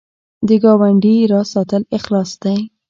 د ګاونډي راز ساتل اخلاص دی